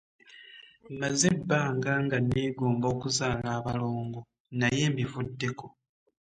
Mmaze ebbanga nga nneegomba okuzaala abalongo naye mbivuddeko.